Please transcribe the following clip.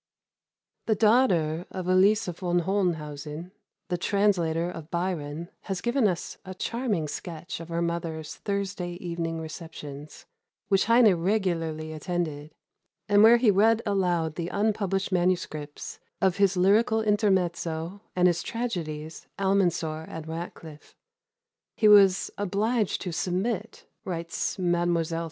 The daughter of Elise von Hohenhausen, the translator of Byron, has given us a charming sketch of her mother's Thursday evening receptions, which Heine regularly attended, and where he read aloud the unpublished manuscripts of his Lyrical Intermezzo, and his tragidies, Almansor and Ratcliffe. "He was obliged to submit," writes Mlle.